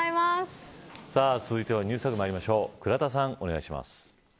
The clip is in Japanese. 続いてはＮｅｗｓＴａｇまいりましょう。